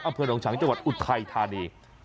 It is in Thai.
อำเภอหนองฉังจังหวัดอุทัยธานี